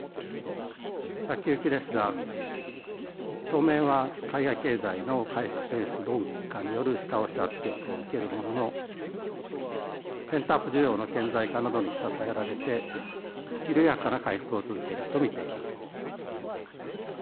先行きですが、当面は海外経済の回復ペース鈍化による下押し圧力を受けるものの、需要のに支えられて、緩やかな回復を続けると見ています。